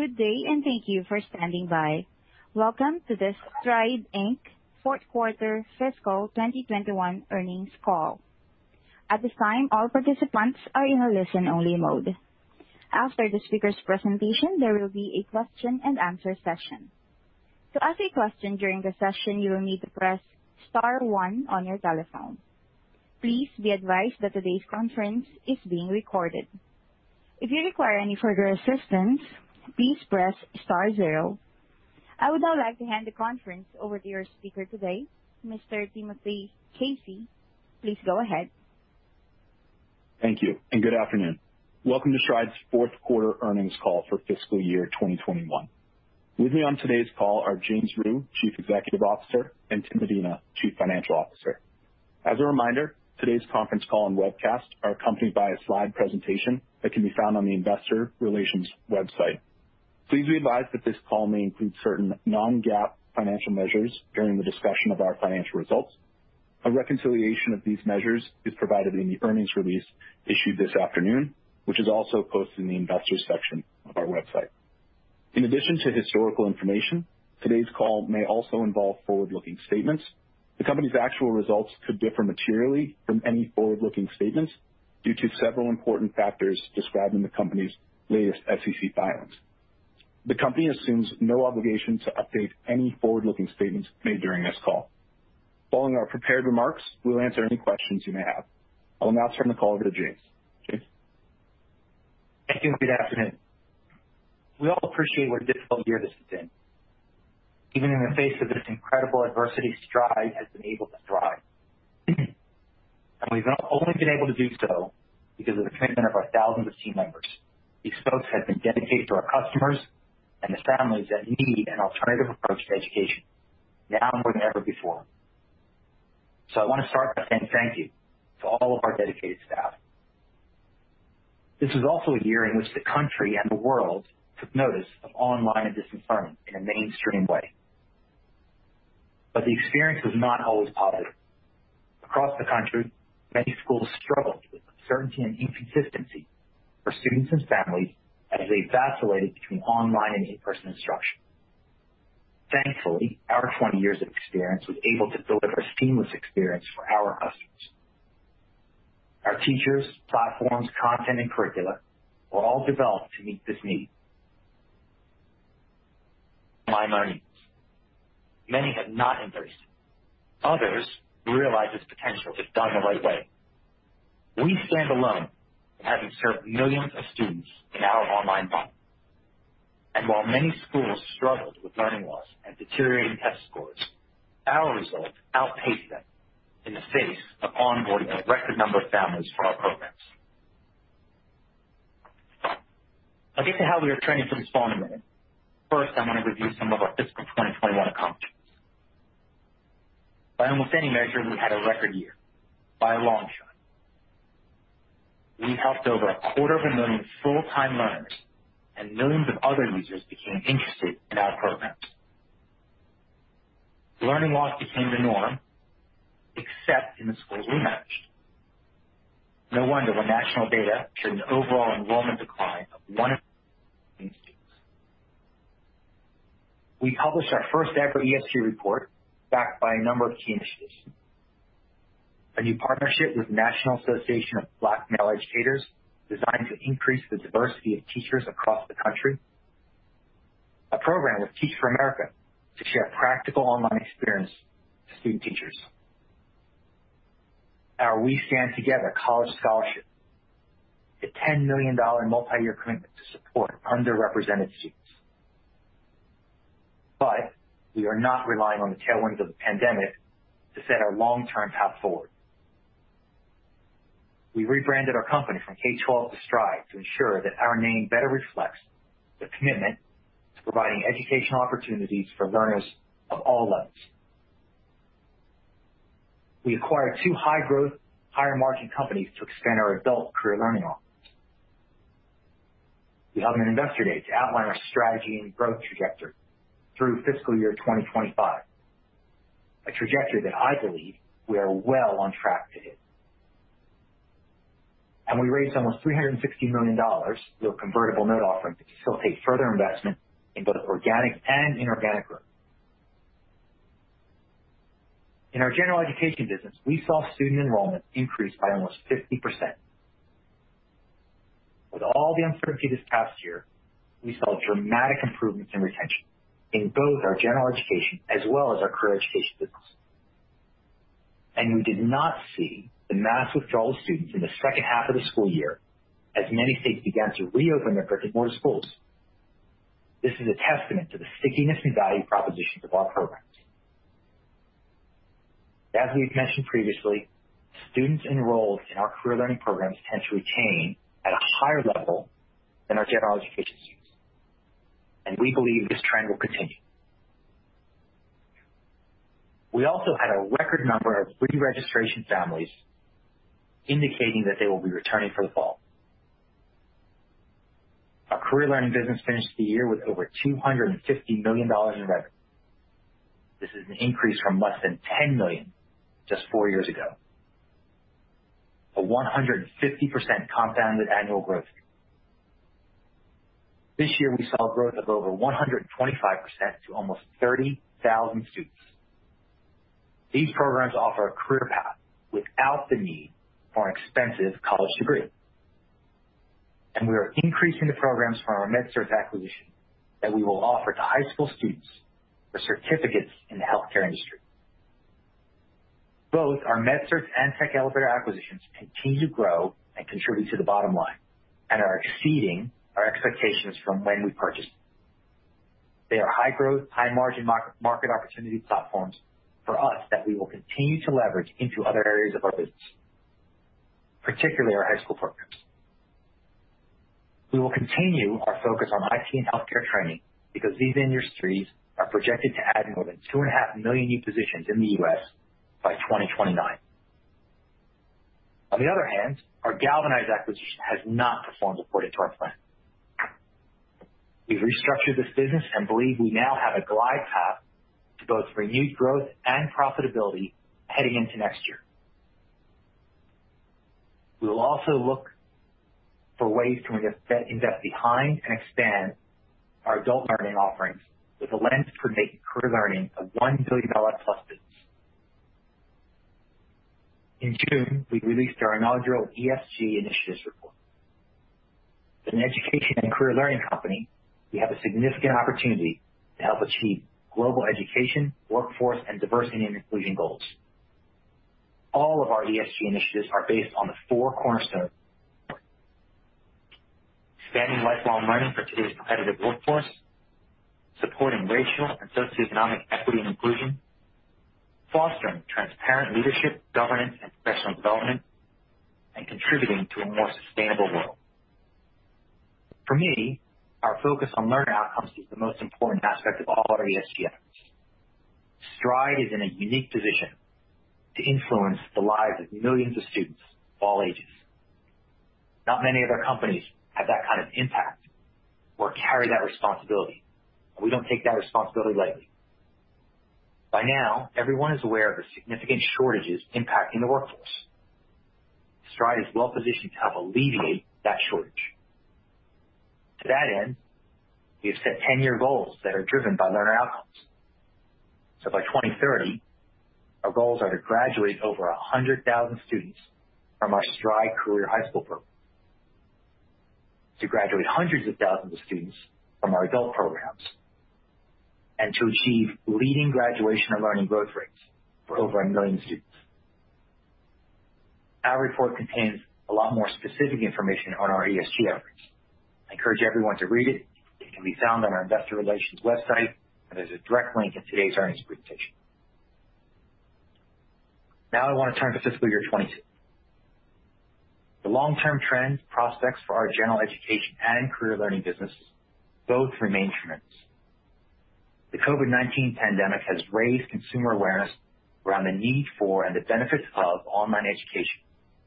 Good day, and thank you for standing by. Welcome to the Stride Inc fourth quarter fiscal 2021 earnings call. At this time, all participants are in a listen-only mode. After the speaker's presentation, there will be a question and answer session. To ask a question during the session, you will need to press star one on your telephone. Please be advised that today's conference is being recorded. If you require any further assistance, please press star zero. I would now like to hand the conference over to your speaker today, Mr. Timothy Casey. Please go ahead. Thank you. Good afternoon. Welcome to Stride's fourth quarter earnings call for fiscal year 2021. With me on today's call are James Rhyu, Chief Executive Officer, and Tim Medina, Chief Financial Officer. As a reminder, today's conference call and webcast are accompanied by a slide presentation that can be found on the investor relations website. Please be advised that this call may include certain non-GAAP financial measures during the discussion of our financial results. A reconciliation of these measures is provided in the earnings release issued this afternoon, which is also posted in the Investors section of our website. In addition to historical information, today's call may also involve forward-looking statements. The company's actual results could differ materially from any forward-looking statements due to several important factors described in the company's latest SEC filings. The company assumes no obligation to update any forward-looking statements made during this call. Following our prepared remarks, we'll answer any questions you may have. I will now turn the call over to James. James? Thank you. Good afternoon. We all appreciate what a difficult year this has been. Even in the face of this incredible adversity, Stride has been able to thrive. We've not only been able to do so because of the commitment of our thousands of team members. These folks have been dedicated to our customers and the families that need an alternative approach to education, now more than ever before. I want to start by saying thank you to all of our dedicated staff. This is also a year in which the country and the world took notice of online and distance learning in a mainstream way. The experience was not always positive. Across the country, many schools struggled with uncertainty and inconsistency for students and families as they vacillated between online and in-person instruction. Thankfully, our 20 years of experience was able to deliver a seamless experience for our customers. Many have not embraced it. Others realize its potential if done the right way. We stand alone in having served millions of students in our online model. While many schools struggled with learning loss and deteriorating test scores, our results outpaced them in the face of onboarding a record number of families for our programs. I'll get to how we are trending for this fall in a minute. First, I want to review some of our fiscal 2021 accomplishments. By almost any measure, we had a record year, by a long shot. We helped over a quarter of a million full-time learners, and millions of other users became interested in our programs. Learning loss became the norm, except in the schools we managed. No wonder when national data showed an overall enrollment decline of 1 in students. We published our first-ever ESG report, backed by a number of key initiatives. A new partnership with National Association of Black Male Educators designed to increase the diversity of teachers across the country. A program with Teach For America to share practical online experience with student teachers. Our We Stand Together college scholarship, a $10 million multi-year commitment to support underrepresented students. We are not relying on the tailwinds of the pandemic to set our long-term path forward. We rebranded our company from K12 to Stride to ensure that our name better reflects the commitment to providing educational opportunities for learners of all levels. We acquired 2 high-growth, higher-margin companies to extend our adult career learning offerings. We held an Investor Day to outline our strategy and growth trajectory through FY 2025, a trajectory that I believe we are well on track to hit. We raised almost $360 million through a convertible note offering to facilitate further investment in both organic and inorganic growth. In our General Education business, we saw student enrollment increase by almost 50%. With all the uncertainty this past year, we saw dramatic improvements in retention in both our General Education as well as our Career Learning business. We did not see the mass withdrawal of students in the second half of the school year as many states began to reopen their brick-and-mortar schools. This is a testament to the stickiness and value propositions of our programs. As we've mentioned previously, students enrolled in our Career Learning programs tend to retain at a higher level than our General Education students, and we believe this trend will continue. We also had a record number of re-registration families indicating that they will be returning for the fall. Our Career Learning business finished the year with over $250 million in revenue. This is an increase from less than $10 million just 4 years ago. A 150% compounded annual growth rate. This year, we saw growth of over 125% to almost 30,000 students. These programs offer a career path without the need for an expensive college degree. We are increasing the programs from our MedCerts acquisition that we will offer to high school students for certificates in the healthcare industry. Both our MedCerts and Tech Elevator acquisitions continue to grow and contribute to the bottom line and are exceeding our expectations from when we purchased them. They are high growth, high margin market opportunity platforms for us that we will continue to leverage into other areas of our business, particularly our high school programs. We will continue our focus on IT and healthcare training because these industries are projected to add more than two and a half million new positions in the U.S. by 2029. On the other hand, our Galvanize acquisition has not performed according to our plan. We've restructured this business and believe we now have a glide path to both renewed growth and profitability heading into next year. We will also look for ways to invest behind and expand our Adult Learning offerings with a lens to make Career Learning a $1 billion plus business. In June, we released our inaugural ESG initiatives report. As an education and Career Learning company, we have a significant opportunity to help achieve global education, workforce, and diversity and inclusion goals. All of our ESG initiatives are based on the four cornerstones: expanding lifelong learning for today's competitive workforce, supporting racial and socioeconomic equity and inclusion, fostering transparent leadership, governance, and professional development, and contributing to a more sustainable world. For me, our focus on learner outcomes is the most important aspect of all our ESG efforts. Stride is in a unique position to influence the lives of millions of students of all ages. Not many other companies have that kind of impact or carry that responsibility. We don't take that responsibility lightly. By now, everyone is aware of the significant shortages impacting the workforce. Stride is well positioned to help alleviate that shortage. To that end, we have set 10-year goals that are driven by learner outcomes. By 2030, our goals are to graduate over 100,000 students from our Stride Career high school program. To graduate hundreds of thousands of students from our adult programs, and to achieve leading graduation and learning growth rates for over a million students. Our report contains a lot more specific information on our ESG efforts. I encourage everyone to read it. It can be found on our investor relations website, and there's a direct link in today's earnings presentation. I want to turn to FY 2022. The long-term trends prospects for our General Education and Career Learning businesses both remain tremendous. The COVID-19 pandemic has raised consumer awareness around the need for and the benefits of online education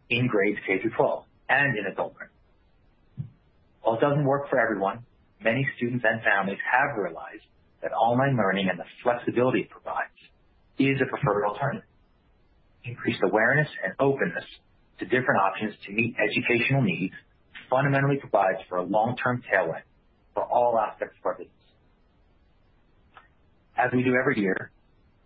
in grades K-12 and in Adult Learning. While it doesn't work for everyone, many students and families have realized that online learning and the flexibility it provides is a preferred alternative. Increased awareness and openness to different options to meet educational needs fundamentally provides for a long-term tailwind for all aspects of our business. As we do every year,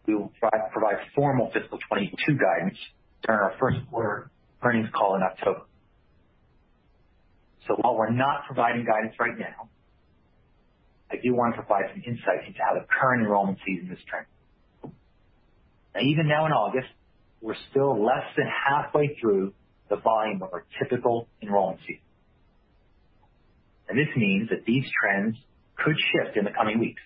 we will provide formal fiscal 2022 guidance during our first quarter earnings call in October. While we're not providing guidance right now, I do want to provide some insight into how the current enrollment season is trending. Now, even now in August, we're still less than halfway through the volume of our typical enrollment season. This means that these trends could shift in the coming weeks.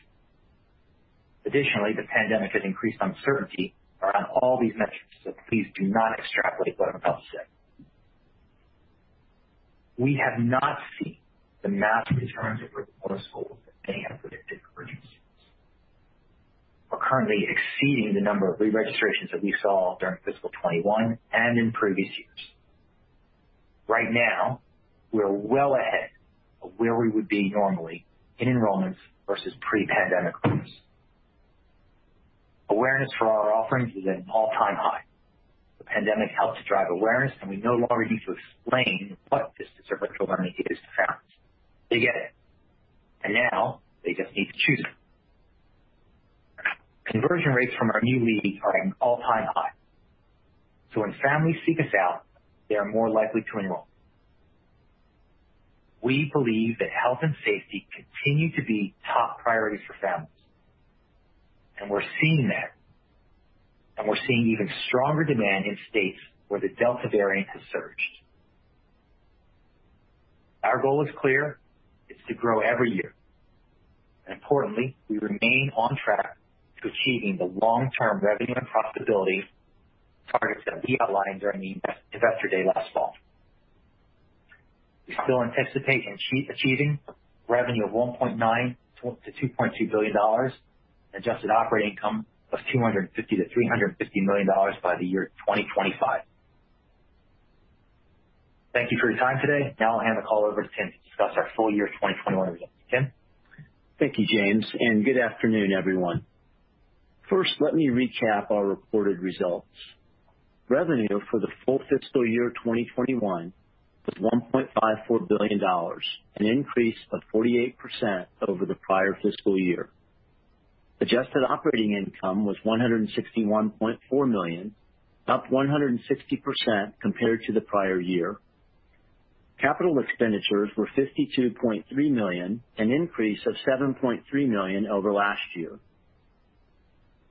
Additionally, the pandemic has increased uncertainty around all these metrics, so please do not extrapolate what I'm about to say. We have not seen the mass returns of virtual schools that many have predicted for returning students. We're currently exceeding the number of re-registrations that we saw during FY 2021 and in previous years. Right now, we are well ahead of where we would be normally in enrollments versus pre-pandemic groups. Awareness for our offerings is at an all-time high. The pandemic helped to drive awareness. We no longer need to explain what distance or virtual learning is to families. They get it. Now they just need to choose it. Conversion rates from our new leads are at an all-time high. When families seek us out, they are more likely to enroll. We believe that health and safety continue to be top priorities for families. We're seeing that. We're seeing even stronger demand in states where the Delta variant has surged. Our goal is clear. It's to grow every year. Importantly, we remain on track to achieving the long-term revenue and profitability targets that we outlined during the investor day last fall. We still anticipate achieving revenue of $1.9 billion-$2.2 billion, adjusted operating income plus $250 million-$350 million by the year 2025. Thank you for your time today. Now I'll hand the call over to Tim to discuss our full year 2021 results. Tim? Thank you, James, and good afternoon, everyone. First, let me recap our reported results. Revenue for the full fiscal year 2021 was $1.54 billion, an increase of 48% over the prior fiscal year. Adjusted operating income was $161.4 million, up 160% compared to the prior year. Capital expenditures were $52.3 million, an increase of $7.3 million over last year.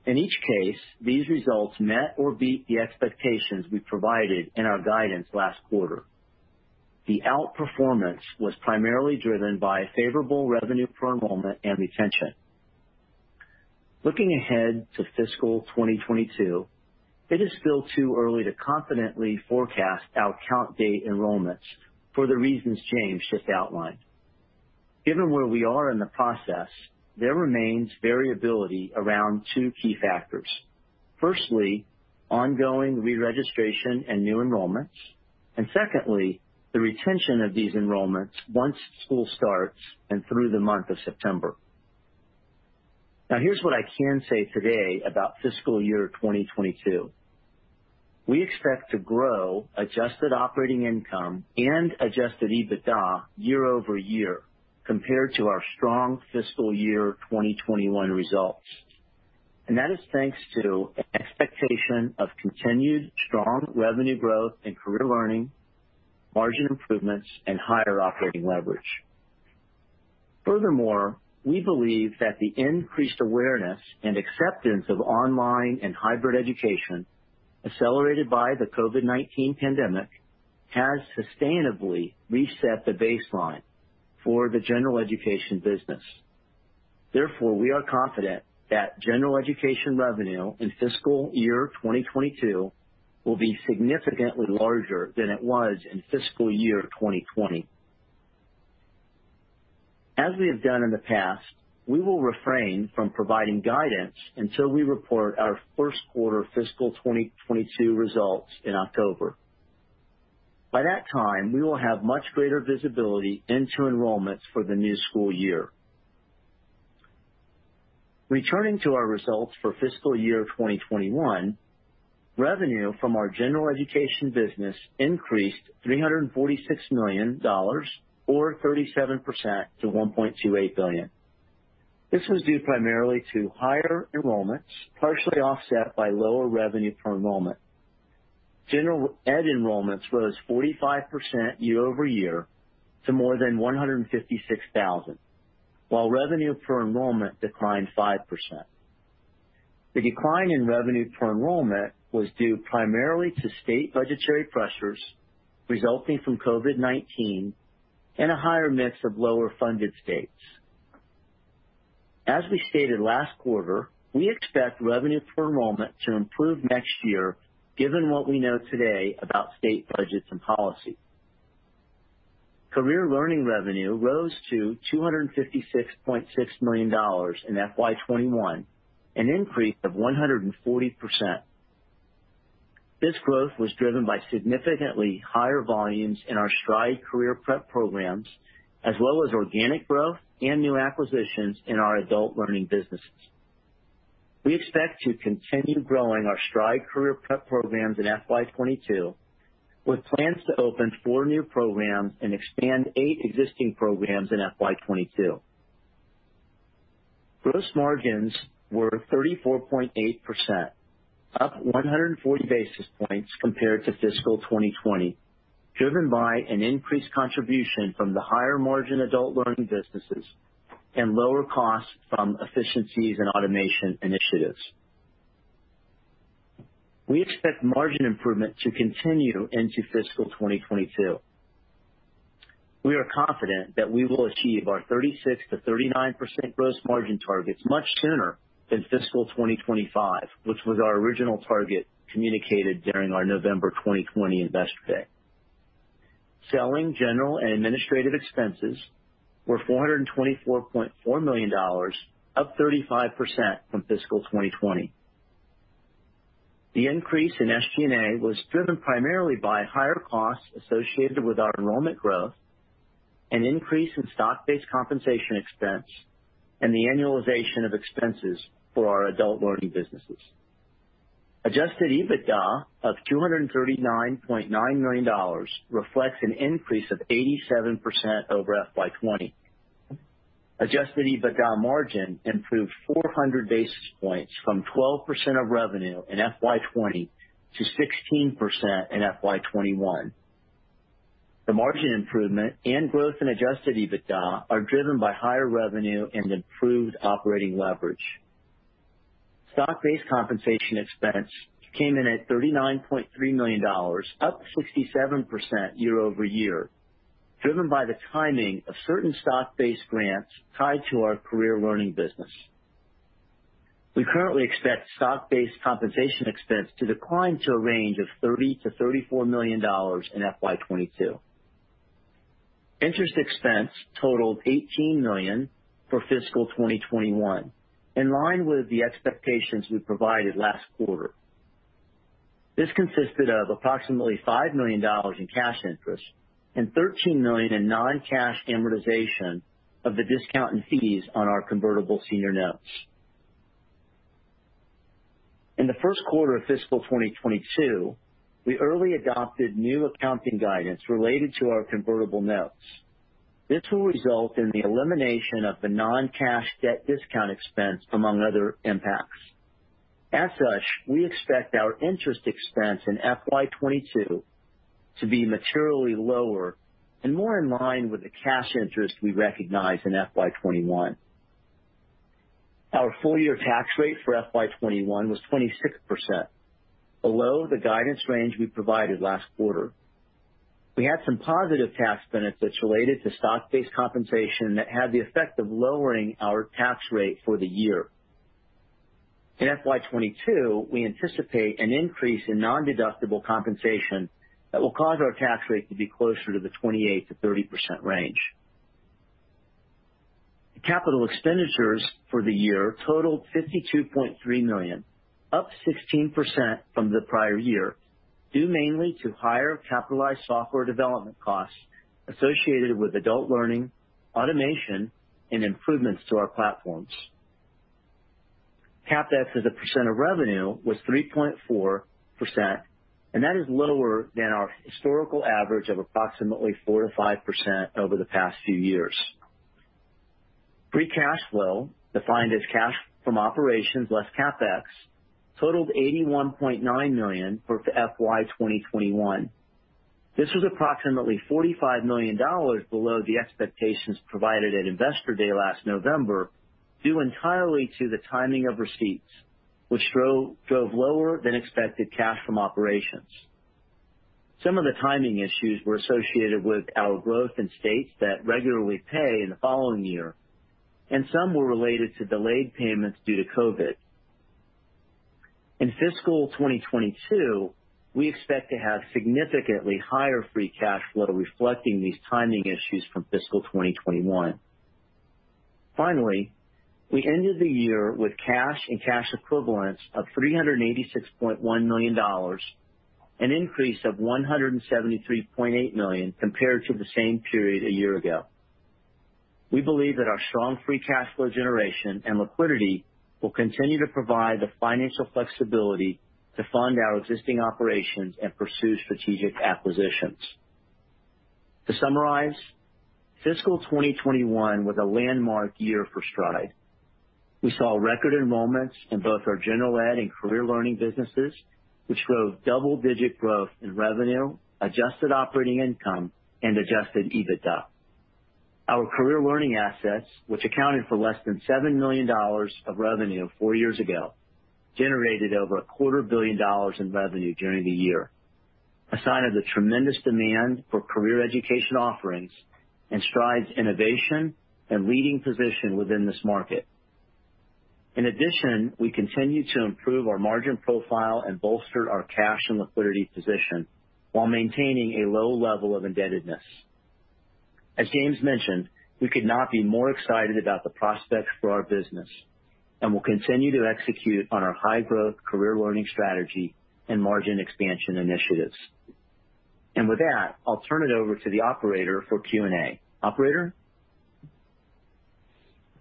In each case, these results met or beat the expectations we provided in our guidance last quarter. The outperformance was primarily driven by favorable revenue per enrollment and retention. Looking ahead to fiscal 2022, it is still too early to confidently forecast our count day enrollments for the reasons James just outlined. Given where we are in the process, there remains variability around 2 key factors. Firstly, ongoing re-registration and new enrollments, and secondly, the retention of these enrollments once school starts and through the month of September. Now, here's what I can say today about fiscal year 2022. We expect to grow adjusted operating income and adjusted EBITDA year-over-year compared to our strong fiscal year 2021 results. That is thanks to an expectation of continued strong revenue growth in Career Learning, margin improvements, and higher operating leverage. Furthermore, we believe that the increased awareness and acceptance of online and hybrid education, accelerated by the COVID-19 pandemic, has sustainably reset the baseline for the General Education business. Therefore, we are confident that General Education revenue in fiscal year 2022 will be significantly larger than it was in fiscal year 2020. As we have done in the past, we will refrain from providing guidance until we report our first quarter fiscal 2022 results in October. By that time, we will have much greater visibility into enrollments for the new school year. Returning to our results for fiscal year 2021, revenue from our General Education business increased $346 million, or 37%, to $1.28 billion. This was due primarily to higher enrollments, partially offset by lower revenue per enrollment. General Ed enrollments rose 45% year-over-year to more than 156,000, while revenue per enrollment declined 5%. The decline in revenue per enrollment was due primarily to state budgetary pressures resulting from COVID-19 and a higher mix of lower-funded states. As we stated last quarter, we expect revenue per enrollment to improve next year, given what we know today about state budgets and policy. Career Learning revenue rose to $256.6 million in FY 2021, an increase of 140%. This growth was driven by significantly higher volumes in our Stride Career Prep programs, as well as organic growth and new acquisitions in our Adult Learning businesses. We expect to continue growing our Stride Career Prep programs in FY 2022, with plans to open four new programs and expand eight existing programs in FY 2022. Gross margins were 34.8%, up 140 basis points compared to fiscal 2020, driven by an increased contribution from the higher-margin Adult Learning businesses and lower costs from efficiencies and automation initiatives. We expect margin improvement to continue into fiscal 2022. We are confident that we will achieve our 36%-39% gross margin targets much sooner than fiscal 2025, which was our original target communicated during our November 2020 Investor Day. Selling, General, and Administrative Expenses were $424.4 million, up 35% from fiscal 2020. The increase in SG&A was driven primarily by higher costs associated with our enrollment growth, an increase in stock-based compensation expense, and the annualization of expenses for our Adult Learning businesses. Adjusted EBITDA of $239.9 million reflects an increase of 87% over FY 2020. Adjusted EBITDA margin improved 400 basis points from 12% of revenue in FY 2020 to 16% in FY 2021. The margin improvement and growth in adjusted EBITDA are driven by higher revenue and improved operating leverage. Stock-based compensation expense came in at $39.3 million, up 67% year-over-year, driven by the timing of certain stock-based grants tied to our Career Learning business. We currently expect stock-based compensation expense to decline to a range of $30 million-$34 million in FY 2022. Interest expense totaled $18 million for fiscal 2021, in line with the expectations we provided last quarter. This consisted of approximately $5 million in cash interest and $13 million in non-cash amortization of the discount in fees on our convertible senior notes. In the first quarter of fiscal 2022, we early adopted new accounting guidance related to our convertible notes. This will result in the elimination of the non-cash debt discount expense, among other impacts. As such, we expect our interest expense in FY 2022 to be materially lower and more in line with the cash interest we recognize in FY 2021. Our full-year tax rate for FY 2021 was 26%, below the guidance range we provided last quarter. We had some positive tax benefits related to stock-based compensation that had the effect of lowering our tax rate for the year. In FY 2022, we anticipate an increase in non-deductible compensation that will cause our tax rate to be closer to the 28%-30% range. The capital expenditures for the year totaled $52.3 million, up 16% from the prior year, due mainly to higher capitalized software development costs associated with Adult Learning, automation, and improvements to our platforms. CapEx as a % of revenue was 3.4%, that is lower than our historical average of approximately 4%-5% over the past few years. Free cash flow, defined as cash from operations less CapEx, totaled $81.9 million for FY 2021. This was approximately $45 million below the expectations provided at Investor Day last November, due entirely to the timing of receipts, which drove lower than expected cash from operations. Some of the timing issues were associated with our growth in states that regularly pay in the following year, and some were related to delayed payments due to COVID. In fiscal 2022, we expect to have significantly higher free cash flow reflecting these timing issues from fiscal 2021. Finally, we ended the year with cash and cash equivalents of $386.1 million, an increase of $173.8 million compared to the same period a year ago. We believe that our strong free cash flow generation and liquidity will continue to provide the financial flexibility to fund our existing operations and pursue strategic acquisitions. To summarize, fiscal 2021 was a landmark year for Stride. We saw record enrollments in both our General Education and Career Learning businesses, which drove double-digit growth in revenue, adjusted operating income, and adjusted EBITDA. Our Career Learning assets, which accounted for less than $7 million of revenue four years ago, generated over a quarter billion dollars in revenue during the year, a sign of the tremendous demand for career education offerings and Stride's innovation and leading position within this market. In addition, we continued to improve our margin profile and bolstered our cash and liquidity position while maintaining a low level of indebtedness. As James mentioned, we could not be more excited about the prospects for our business and will continue to execute on our high-growth Career Learning strategy and margin expansion initiatives. With that, I'll turn it over to the operator for Q&A. Operator?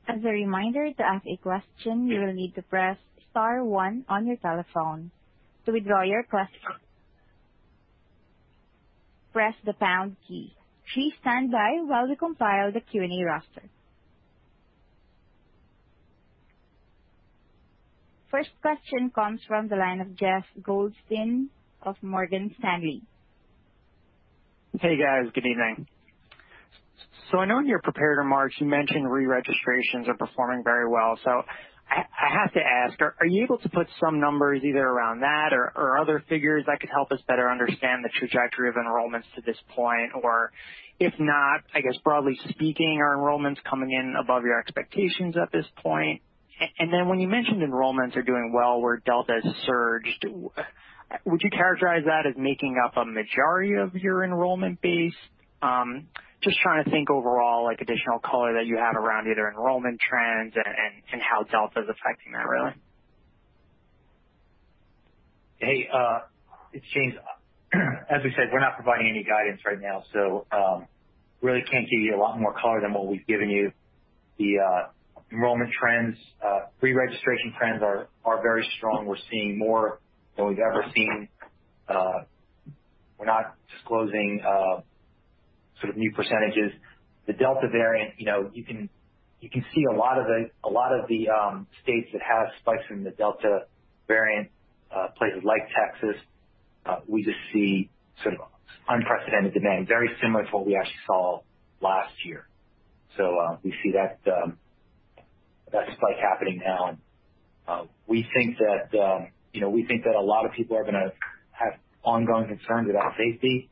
As a reminder, to ask a question, you will need to press star one on your telephone. To withdraw your question, press the pound key. Please stand by while we compile the Q&A roster. First question comes from the line of Jeff Goldstein of Morgan Stanley. Hey, guys. Good evening. I know in your prepared remarks, you mentioned re-registrations are performing very well. I have to ask, are you able to put some numbers either around that or other figures that could help us better understand the trajectory of enrollments to this point? If not, I guess broadly speaking, are enrollments coming in above your expectations at this point? When you mentioned enrollments are doing well where Delta has surged, would you characterize that as making up a majority of your enrollment base? Just trying to think overall, additional color that you have around either enrollment trends and how Delta's affecting that really. Hey, it's James. As we said, we're not providing any guidance right now, so really can't give you a lot more color than what we've given you. The enrollment trends, pre-registration trends are very strong. We're seeing more than we've ever seen. We're not disclosing sort of new percentages. The Delta variant, you can see a lot of the states that have spikes in the Delta variant, places like Texas, we just see sort of unprecedented demand, very similar to what we actually saw last year. We see that spike happening now, and we think that a lot of people are going to have ongoing concerns about safety,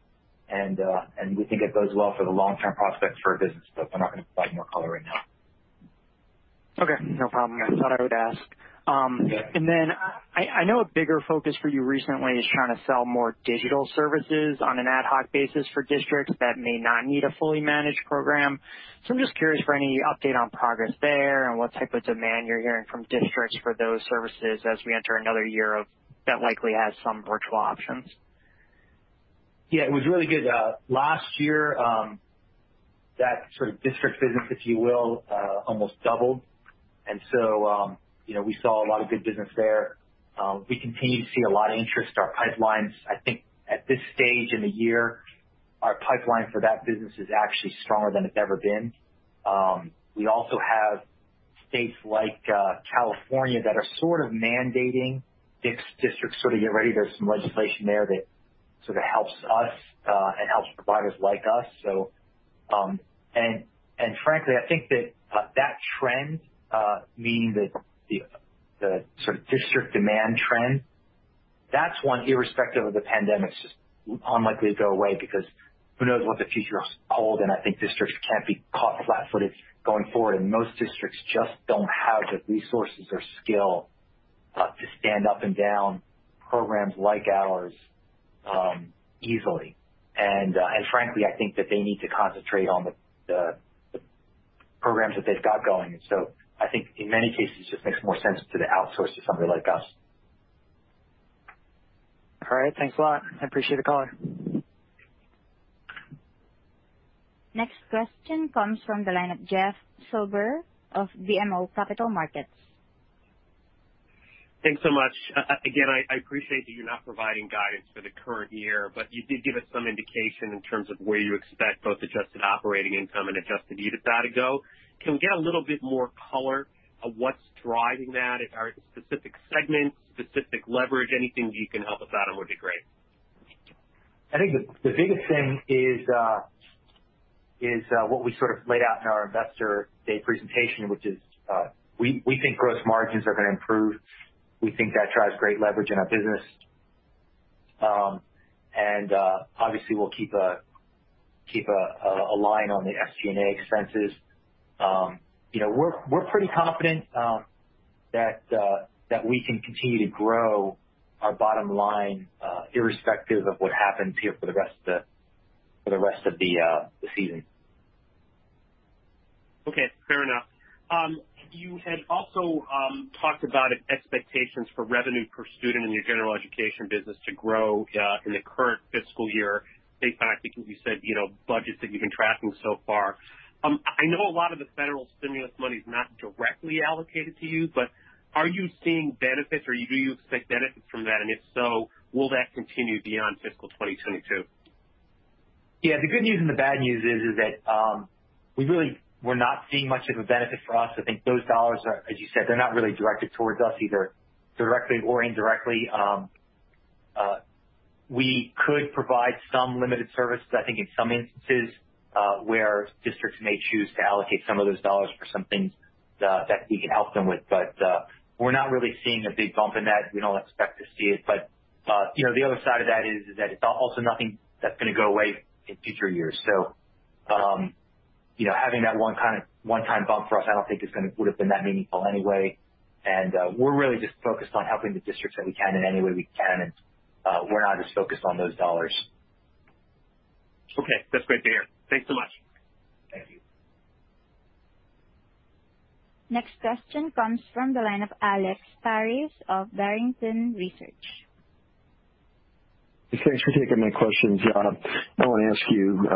and we think it bodes well for the long-term prospects for our business. We're not going to provide more color right now. Okay, no problem. I thought I would ask. Yeah. I know a bigger focus for you recently is trying to sell more digital services on an ad hoc basis for districts that may not need a fully managed program. I'm just curious for any update on progress there and what type of demand you're hearing from districts for those services as we enter another year that likely has some virtual options. Yeah, it was really good. Last year, that district business, if you will, almost doubled. We saw a lot of good business there. We continue to see a lot of interest in our pipelines. I think at this stage in the year, our pipeline for that business is actually stronger than it's ever been. We also have states like California that are mandating districts to get ready. There's some legislation there that helps us and helps providers like us. Frankly, I think that trend, meaning the district demand trend, that's one irrespective of the pandemic, it's just unlikely to go away because who knows what the future holds. I think districts can't be caught flat-footed going forward, and most districts just don't have the resources or skill to stand up and down programs like ours easily. Frankly, I think that they need to concentrate on the programs that they've got going. I think in many cases, it just makes more sense to outsource to somebody like us. All right. Thanks a lot. I appreciate the call. Next question comes from the line of Jeff Silber of BMO Capital Markets. Thanks so much. Again, I appreciate that you're not providing guidance for the current year, but you did give us some indication in terms of where you expect both adjusted operating income and adjusted EBITDA to go. Can we get a little bit more color on what's driving that? Are specific segments, specific leverage, anything you can help us out on would be great. I think the biggest thing is what we laid out in our Investor Day Presentation, which is we think gross margins are going to improve. We think that drives great leverage in our business. Obviously, we'll keep aligned on the SG&A expenses. We're pretty confident that we can continue to grow our bottom line irrespective of what happens here for the rest of the season. Okay, fair enough. You had also talked about expectations for revenue per student in your General Education business to grow in the current fiscal year based on, I think you said, budgets that you've been tracking so far. Are you seeing benefits or do you expect benefits from that? If so, will that continue beyond fiscal 2022? Yeah. The good news and the bad news is that we're not seeing much of a benefit for us. I think those dollars are, as you said, they're not really directed towards us either directly or indirectly. We could provide some limited services, I think, in some instances where districts may choose to allocate some of those dollars for some things that we can help them with. We're not really seeing a big bump in that. We don't expect to see it. The other side of that is that it's also nothing that's going to go away in future years. Having that one-time bump for us, I don't think would've been that meaningful anyway. We're really just focused on helping the districts that we can in any way we can, and we're not as focused on those dollars. Okay. That's great to hear. Thanks so much. Thank you. Next question comes from the line of Alex Paris of Barrington Research. Thanks for taking my questions. I won't ask you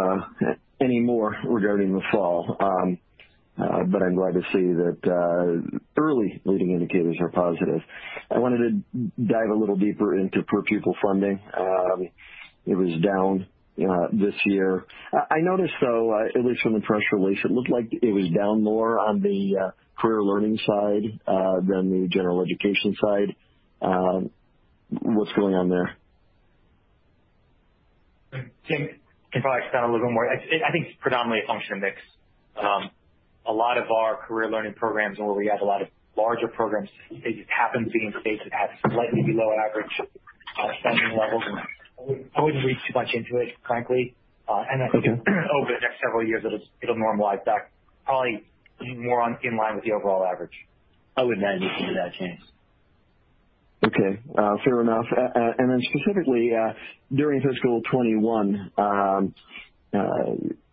any more regarding the fall. I'm glad to see that early leading indicators are positive. I wanted to dive a little deeper into per pupil funding. It was down this year. I noticed, though, at least from the press release, it looked like it was down more on the Career Learning side than the General Education side. What's going on there? I think I can probably expound a little more. I think it's predominantly a function of mix. A lot of our Career Learning programs and where we have a lot of larger programs, they just happen to be in states that have slightly below average spending levels, I wouldn't read too much into it, frankly. I think over the next several years, it'll normalize back probably more in line with the overall average. I wouldn't read anything into that change. Okay. Fair enough. Specifically during fiscal 2021,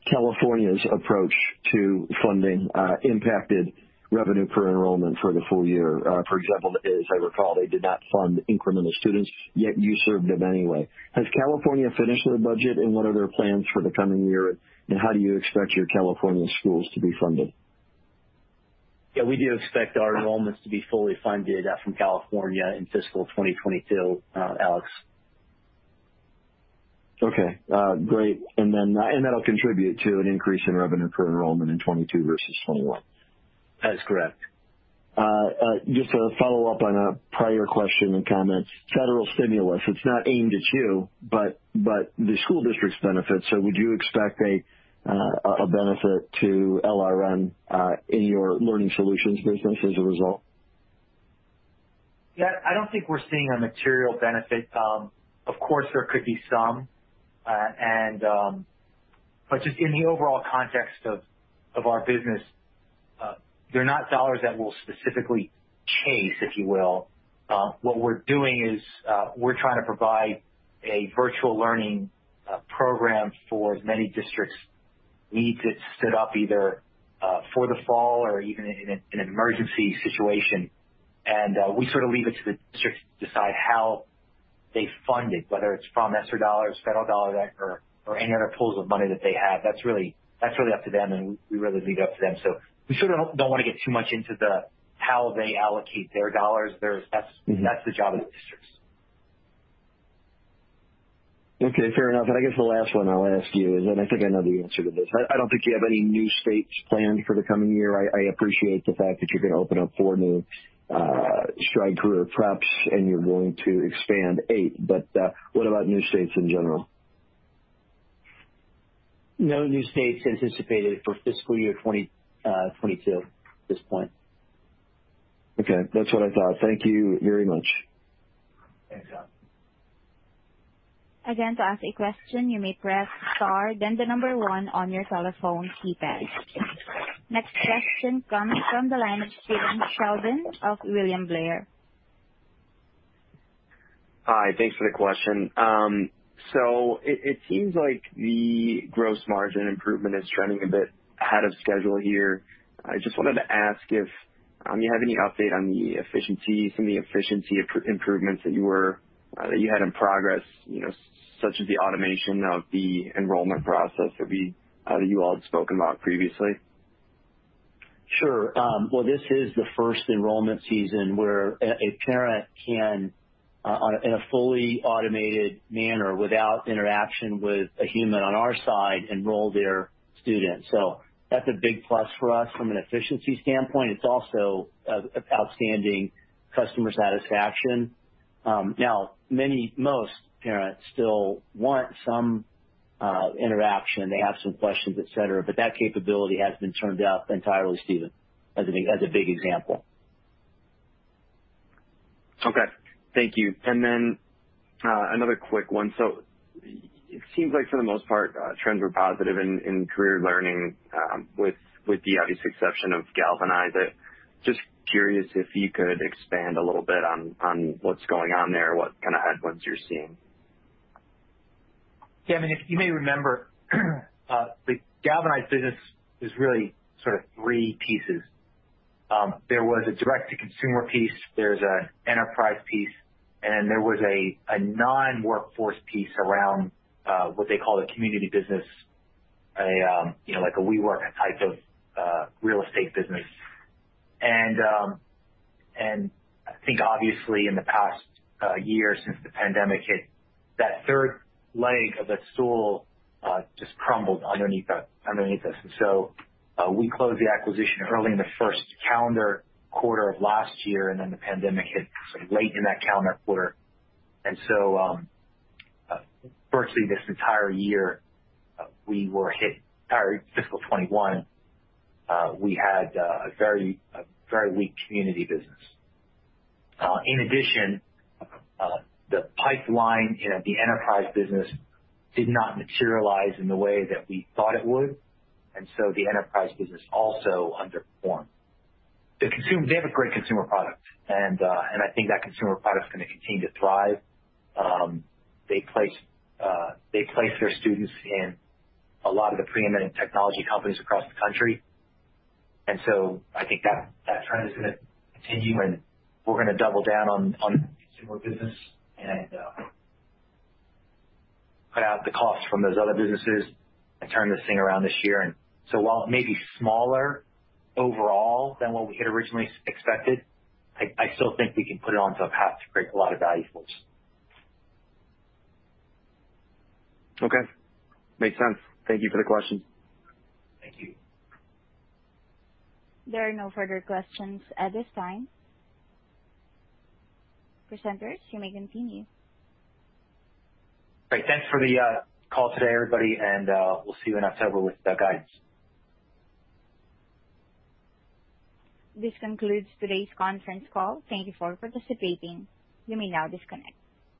California's approach to funding impacted revenue per enrollment for the full year. For example, as I recall, they did not fund incremental students, yet you served them anyway. Has California finished their budget? What are their plans for the coming year? How do you expect your California schools to be funded? Yeah, we do expect our enrollments to be fully funded from California in fiscal 2022, Alex. Okay. Great. That'll contribute to an increase in revenue per enrollment in 2022 versus 2021. That is correct. Just to follow up on a prior question and comment. Federal stimulus, it's not aimed at you, but the school districts benefit. Would you expect a benefit to LMS in your learning solutions business as a result? Yeah, I don't think we're seeing a material benefit. Of course, there could be some. just in the overall context of our business, they're not dollars that we'll specifically chase, if you will. What we're doing is we're trying to provide a virtual learning program for as many districts need to be stood up either for the fall or even in an emergency situation. we leave it to the districts to decide how they fund it, whether it's from ESSER dollars, federal dollars, or any other pools of money that they have. That's really up to them, and we really leave it up to them. we sort of don't want to get too much into the how they allocate their dollars. That's the job of the districts. Okay. Fair enough. I guess the last one I'll ask you is, and I think I know the answer to this. I don't think you have any new states planned for the coming year. I appreciate the fact that you're going to open up four new Stride Career Preps and you're going to expand eight. what about new states in general? No new states anticipated for fiscal year 2022 at this point. Okay. That's what I thought. Thank you very much. Thanks, John. Again, to ask a question, you may press star then the number one on your telephone keypad. Next question comes from the line of Stephen Sheldon of William Blair. Hi. Thanks for the question. It seems like the gross margin improvement is trending a bit ahead of schedule here. I just wanted to ask if you have any update on the efficiencies from the efficiency improvements that you had in progress, such as the automation of the enrollment process that you all had spoken about previously? Sure. Well, this is the first enrollment season where a parent can, in a fully automated manner without interaction with a human on our side, enroll their student. That's a big plus for us from an efficiency standpoint. It's also outstanding customer satisfaction. Now, most parents still want some interaction. They have some questions, et cetera. That capability hasn't been turned off entirely, Stephen, as a big example. Okay. Thank you. Another quick one. It seems like for the most part, trends were positive in career learning, with the obvious exception of Galvanize. Just curious if you could expand a little bit on what's going on there, what kind of headwinds you're seeing. Yeah. You may remember the Galvanize business is really sort of three pieces. There was a direct-to-consumer piece, there was an enterprise piece, and then there was a non-workforce piece around what they call the community business, like a WeWork type of real estate business. I think obviously in the past year since the pandemic hit, that third leg of that stool just crumbled underneath us. We closed the acquisition early in the first calendar quarter of last year, and then the pandemic hit sort of late in that calendar quarter. Virtually this entire year, fiscal 2021, we had a very weak community business. In addition, the pipeline in the enterprise business did not materialize in the way that we thought it would. The enterprise business also underperformed. They have a great consumer product. I think that consumer product is going to continue to thrive. They place their students in a lot of the preeminent technology companies across the country. I think that trend is going to continue and we're going to double down on consumer business and cut out the cost from those other businesses and turn this thing around this year. While it may be smaller overall than what we had originally expected, I still think we can put it onto a path to create a lot of value for us. Okay. Makes sense. Thank you for the question. Thank you. There are no further questions at this time. Presenters, you may continue. Great. Thanks for the call today, everybody, and we'll see you in October with the guidance. This concludes today's conference call. Thank you for participating. You may now disconnect.